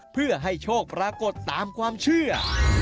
เพื่อให้โชคปรากฏตามความเชื่อ